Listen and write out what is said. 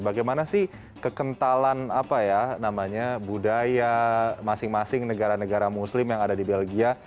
bagaimana sih kekentalan apa ya namanya budaya masing masing negara negara muslim yang ada di belgia